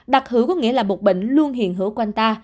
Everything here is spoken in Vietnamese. đặc hữu có nghĩa là một bệnh luôn hiện hữu quanh ta